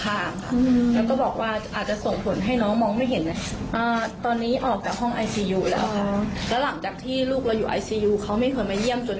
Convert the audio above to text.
แล้วเขาถึงมาเยี่ยมลูกเรา